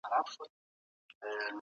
ایا کوچني پلورونکي وچه میوه پروسس کوي؟